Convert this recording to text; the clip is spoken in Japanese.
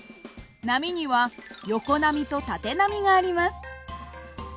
波には横波と縦波があります。